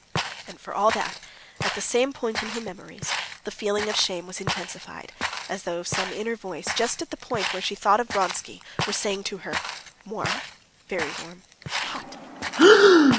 And for all that, at the same point in her memories, the feeling of shame was intensified, as though some inner voice, just at the point when she thought of Vronsky, were saying to her, "Warm, very warm, hot."